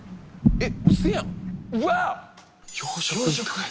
えっ？